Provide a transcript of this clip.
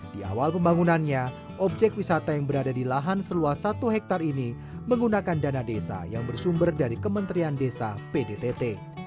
di awal pembangunannya objek wisata yang berada di lahan seluas satu hektare ini menggunakan dana desa yang bersumber dari kementerian desa pdtt